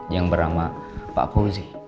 yang bernama pak fauzi